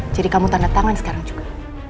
jadi kamu tanda tangan sekarang juga